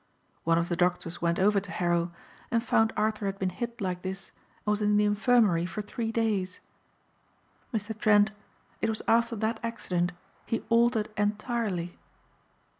"One of the doctors went over to Harrow and found Arthur had been hit like this and was in the infirmary for three days. Mr. Trent, it was after that accident he altered entirely."